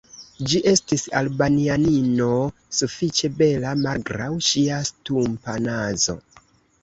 Ĝi estis Albanianino sufiĉe bela, malgraŭ ŝia stumpa nazo.